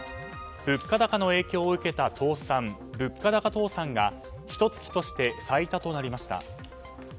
物価高の影響を受けた倒産物価高倒産が、ひと月として最多となりました。